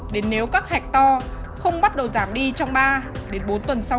đến nếu các hạch to không bắt đầu giảm đi trong ba đến bốn tuần sau